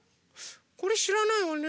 これしらないわね。